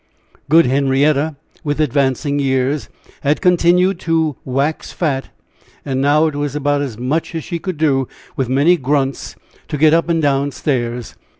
Good Henrietta, with advancing years, had continued to "wax fat," and now it was about as much as she could do, with many grunts, to get up and down stairs.